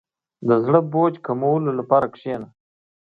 • د زړه بوج کمولو لپاره کښېنه.